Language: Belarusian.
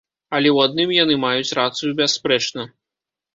Але ў адным яны маюць рацыю бясспрэчна.